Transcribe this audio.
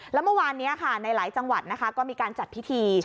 แล้วเมื่อวานนี้ค่ะในหลายจังหวัดนะคะก็มีการจัดพิธี